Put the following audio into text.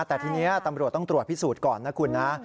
แต่ทีนี้ตำรวจต้องตรวจพิสูจน์ก่อนนะคุณนะ